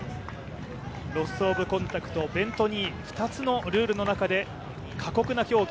ロス・オブ・コンタクトベント・ニー２つのルールの中で過酷な競技。